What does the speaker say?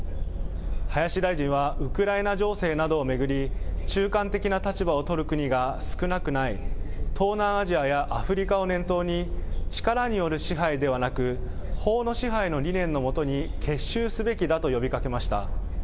林大臣はウクライナ情勢などを巡り、中間的な立場を取る国が少なくない東南アジアやアフリカを念頭に、力による支配ではなく、法の支配の理念の下に結集すべきだと呼びかけました。